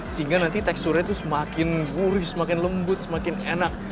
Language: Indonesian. sehingga nanti teksturnya itu semakin gurih semakin lembut semakin enak